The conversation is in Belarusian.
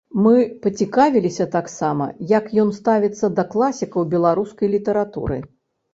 Мы пацікавіліся таксама, як ён ставіцца да класікаў беларускай літаратуры.